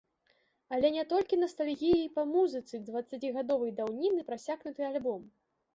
Але не толькі настальгіяй па музыцы дваццацігадовай даўніны прасякнуты альбом.